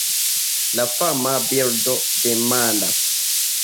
La fama birdo demandas: